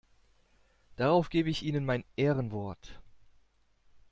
Darauf gebe ich Ihnen mein Ehrenwort!